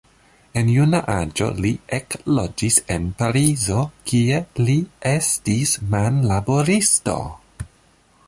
En juna aĝo li ekloĝis en Parizo, kie li estis manlaboristo.